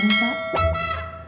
mbak diyah kakaknya puput